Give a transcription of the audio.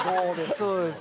そうです。